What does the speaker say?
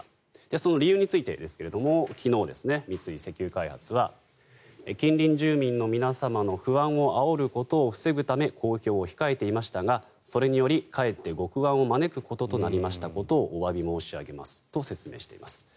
その理由についてですが昨日、三井石油開発は近隣住民の皆様の不安をあおることを防ぐため公表を控えていましたがそれによりかえってご不安を招くこととなりましたことをおわび申し上げますと説明しています。